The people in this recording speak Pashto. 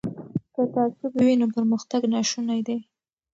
که تعصب وي نو پرمختګ ناشونی دی.